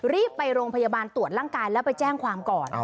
รีบไปโรงพยาบาลตรวจร่างกายแล้วไปแจ้งความก่อน